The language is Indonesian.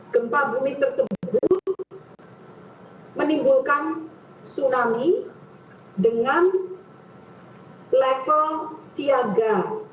gempa bumi tersebut menimbulkan tsunami dengan level siaga